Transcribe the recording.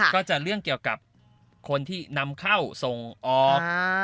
ก็จะเรื่องเกี่ยวกับคนที่นำเข้าส่งออก